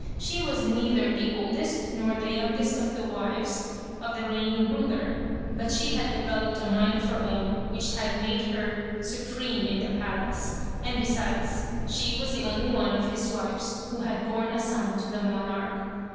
She was neither the oldest nor the youngest of the wives of the reigning ruler, but she had developed a mind of her own which had made her supreme in the palace, and besides, she was the only one of his wives who had borne a son to the monarch.